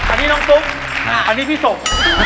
อันนี้น้องตุ๊กอันนี้พี่สก